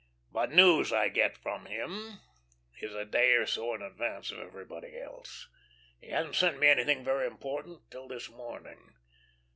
But news I get from him is a day or so in advance of everybody else. He hasn't sent me anything very important till this morning.